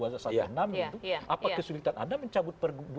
apa kesulitan anda mencabut pergub dua ratus enam